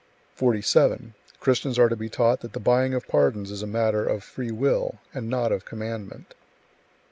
47. Christians are to be taught that the buying of pardons is a matter of free will, and not of commandment.